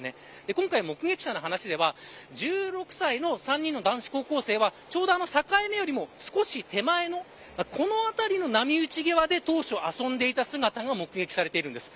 今回、目撃者の話では１６歳の３人の高校生は境目より少し手前のこの辺りの波打ち際で当初、遊んでいた姿が目撃されています。